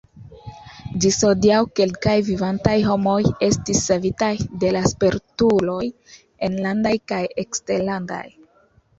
Ĝis hodiaŭ kelkaj vivantaj homoj estis savitaj de la spertuloj enlandaj kaj eksterlandaj.